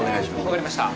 分かりました。